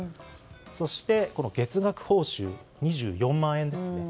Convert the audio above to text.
そして、月額報酬２４万円ですね。